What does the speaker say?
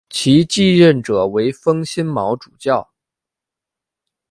其继任者为封新卯主教。